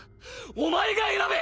お前が選べ！！